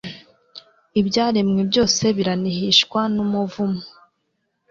ibyaremwe byose biranihishwa n'umuvumo